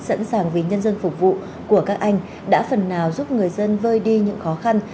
sẵn sàng vì nhân dân phục vụ của các anh đã phần nào giúp người dân vơi đi những khó khăn